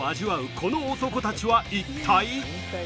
この男たちは一体。